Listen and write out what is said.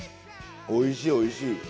おいしいおいしい。